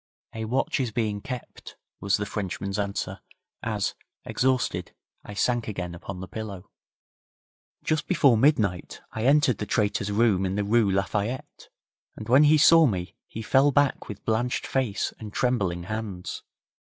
'A watch is being kept,' was the Frenchman's answer, as, exhausted, I sank again upon the pillow. Just before midnight I entered the traitor's room in the Rue Lafayette, and when he saw me he fell back with blanched face and trembling hands.